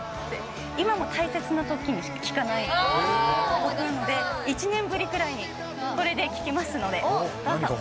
今も大切なときにしか聴かない曲なので１年ぶりくらいにこれで聴きますので。